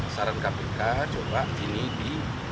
saran kpk coba ini di